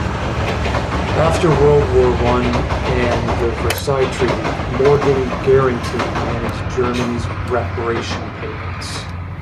After World War One and the Versailles Treaty, Morgan Guaranty managed Germany's reparation payments.